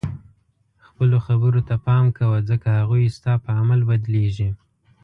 خپلو خبرو ته پام کوه ځکه هغوی ستا په عمل بدلیږي.